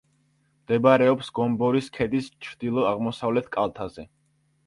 მდებარეობს გომბორის ქედის ჩრდილო-აღმოსავლეთ კალთაზე.